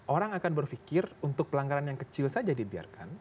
orang akan berpikir untuk pelanggaran yang kecil saja dibiarkan